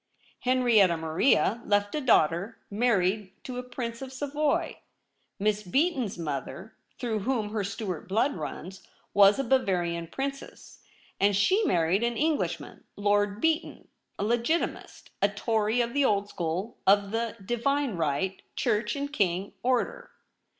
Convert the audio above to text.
Henrietta Maria left a daughter, married to a Prince of Savoy. Miss Beaton's mother, through whom her Stuart blood runs, was a Bavarian Princess, and she married an Englishman — Lord Beaton — a Legitimist, a Tory of the old school, of the " Divine right," *' Church and King" order.'